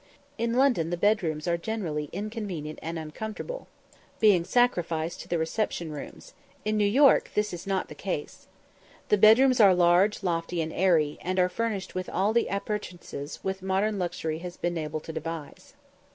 In London the bedrooms are generally inconvenient and uncomfortable, being sacrificed to the reception rooms; in New York this is not the case. The bedrooms are large, lofty, and airy; and are furnished with all the appurtenances which modern luxury has been able to devise.